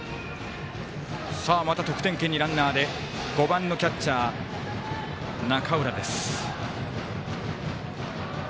また得点圏にランナーで５番のキャッチャー、中浦です。